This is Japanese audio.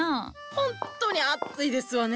ほんとに暑いですわね。